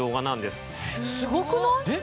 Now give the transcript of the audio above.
すごくない？えっ？